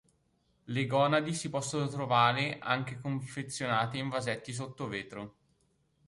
Le gonadi si possono trovare anche confezionate in vasetti sotto vetro.